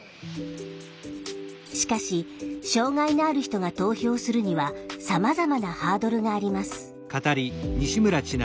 しかし障害のある人が投票するにはさまざまなハードルがあります。